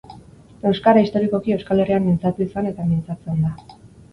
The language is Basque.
Euskara, historikoki, Euskal Herrian mintzatu izan eta mintzatzen da.